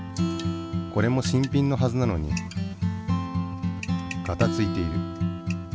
これも新品のはずなのにガタついている。